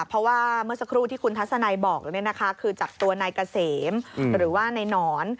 เพราะว่าเมื่อสักครู่ที่คุณทัศนัยบอกคือจับตัวนายเกษมหรือว่านายหนอน